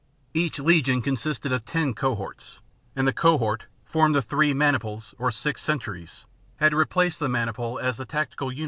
Each legion consisted of ten cohorts ; and the cohort, formed of three maniples or six centuries, had replaced the maniple as the tactical unit of the legion.